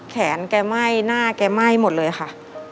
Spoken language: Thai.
แกไหม้หน้าแกไหม้หมดเลยค่ะ